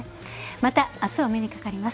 また、あす、お目にかかります。